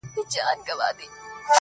زموږ ملا صاحب هغه زړه سرُنا وايي_